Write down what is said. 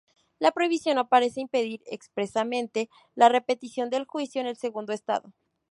La prohibición no parece impedir expresamente la repetición del juicio en un segundo Estado.